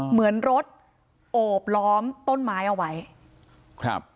เหมือนรถโอบล้อมต้นไม้เอาไว้ครับ